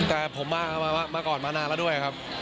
แต่ผมมาก่อนมานานแล้วด้วยครับ